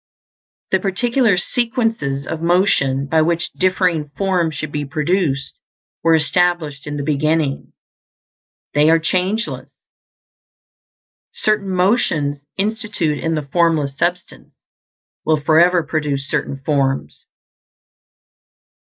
The particular sequences of motion by which differing forms should be produced were established in the beginning; they are changeless. Certain motions instituted in the Formless Substance will forever produce certain forms.